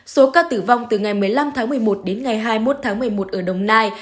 số ca tử vong từ ngày một mươi năm tháng một mươi một đến ngày hai mươi một tháng một mươi một ở đồng nai